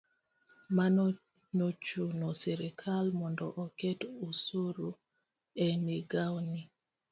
Mano nochuno sirikal mondo oket osuru e migao ni.